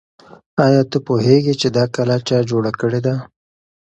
آیا ته پوهېږې چې دا کلا چا جوړه کړې ده؟